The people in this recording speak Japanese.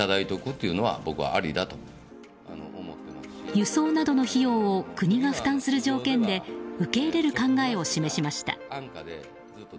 輸送などの費用を国が負担する条件で受け入れる考えを示しました。